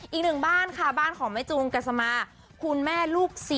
อีกหนึ่งบ้านค่ะบ้านของแม่จูงกัสมาคุณแม่ลูก๔